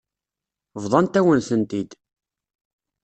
Bḍant-awen-tent-id.